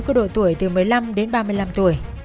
của đội tuổi từ một mươi năm đến ba mươi năm tuổi